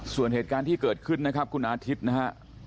ส่วนเหตุการณ์ที่เกิดขึ้นนะครับคุณอาทิตย์นะฮะ